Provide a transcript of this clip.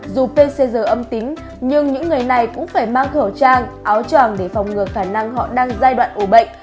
dù pcr âm tính nhưng những người này cũng phải mang khẩu trang áo tràng để phòng ngừa khả năng họ đang giai đoạn ủ bệnh